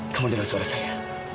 kamu dengar suara saya